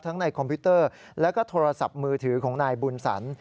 ในคอมพิวเตอร์แล้วก็โทรศัพท์มือถือของนายบุญสัน